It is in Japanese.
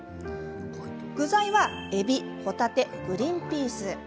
具材はえびほたてグリンピース。